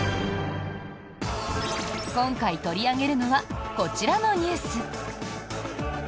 今回取り上げるのはこちらのニュース。